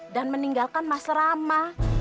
dan meninggalkan mas rama